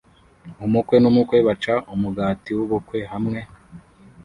Umukwe n'umukwe baca umugati w'ubukwe hamwe